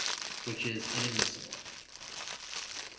Which is inadmissible. Obj.